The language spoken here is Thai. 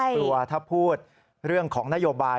กลัวถ้าพูดเรื่องของนโยบาย